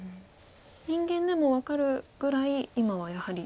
人間でも分かるぐらい今はやはり。